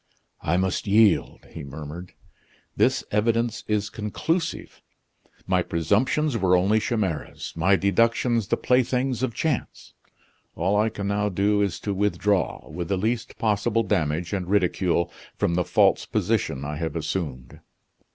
"I must yield," he murmured; "this evidence is conclusive. My presumptions were only chimeras; my deductions the playthings of chance! All I can now do is to withdraw, with the least possible damage and ridicule, from the false position I have assumed."